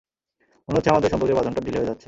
মনে হচ্ছে, আমাদের সম্পর্কের বাঁধনটা ঢিলে হয়ে যাচ্ছে!